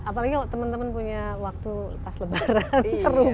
apalagi kalau teman teman punya waktu pas lebaran seru